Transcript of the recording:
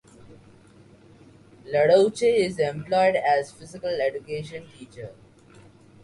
Larouche is employed as physical education teacher.